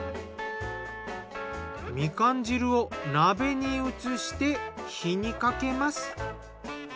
みかん汁を鍋に移して火にかけます。